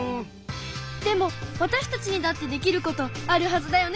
でもわたしたちにだってできることあるはずだよね？